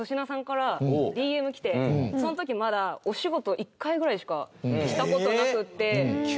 その時まだお仕事１回ぐらいしかした事なくて。